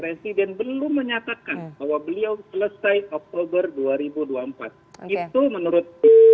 presiden belum menyatakan bahwa beliau selesai oktober dua ribu dua puluh empat itu menurut